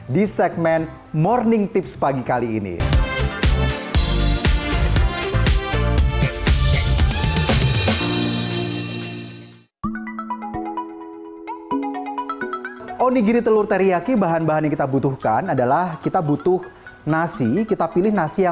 di segmen morning tips pagi kali ini